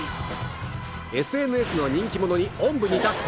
ＳＮＳの人気者におんぶにだっこ。